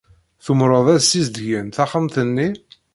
Tumṛed ad ssizedgen taxxamt-nni?